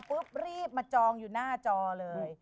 รีบมาจองอยู่หน้าจอเลย